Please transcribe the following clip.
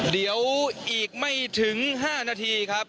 เดี๋ยวอีกไม่ถึง๕นาทีครับ